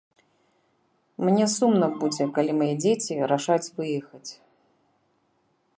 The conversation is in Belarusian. Мне сумна будзе, калі мае дзеці рашаць выехаць.